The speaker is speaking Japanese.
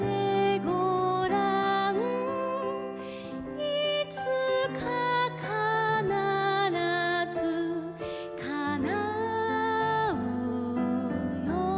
「いつかかならずかなうよ」